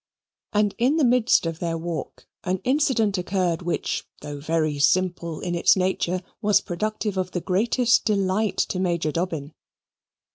And in the midst of their walk an incident occurred which, though very simple in its nature, was productive of the greatest delight to Major Dobbin.